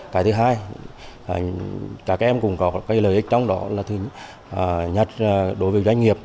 cái thứ hai các em cũng có lợi ích trong đó là thứ nhất đối với doanh nghiệp